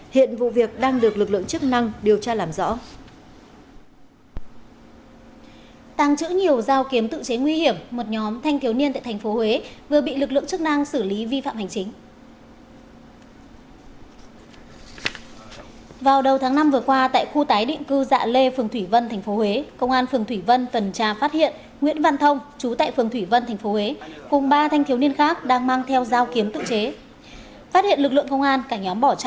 hiện vụ việc đang được lực lượng chức năng điều tra làm rõ